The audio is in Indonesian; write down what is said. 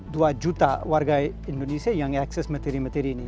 dua juta warga indonesia yang akses materi materi ini